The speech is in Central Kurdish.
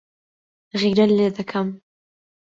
غیرەت لێ دەکەم.